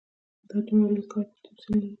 دا دومره لوی کار دی چې تمثیل نه لري.